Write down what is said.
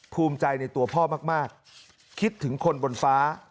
ภูมิใจในตัวพ่อมากคิดถึงคนบนฟ้า